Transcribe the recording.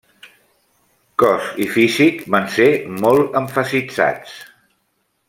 Cos i físic van ser molt emfasitzats.